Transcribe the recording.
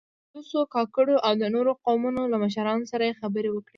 له بلوڅو، کاکړو او د نورو قومونو له مشرانو سره يې خبرې وکړې.